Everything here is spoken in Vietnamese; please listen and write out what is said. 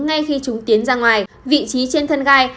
ngay khi chúng tiến ra ngoài vị trí trên thân gai